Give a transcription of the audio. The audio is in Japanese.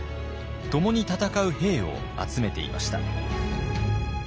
共に戦う兵を集めていました。